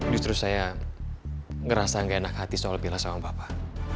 justru saya ngerasa gak enak hati soal pilas sama bapak